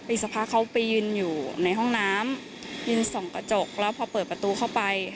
อีกสักพักเขาไปยืนอยู่ในห้องน้ำยืนส่องกระจกแล้วพอเปิดประตูเข้าไป